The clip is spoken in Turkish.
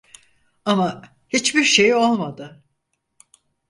Ama hiçbir şey olmadı.